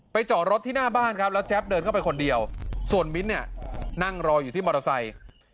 จอดรถที่หน้าบ้านครับแล้วแจ๊บเดินเข้าไปคนเดียวส่วนมิ้นท์เนี่ยนั่งรออยู่ที่มอเตอร์ไซค์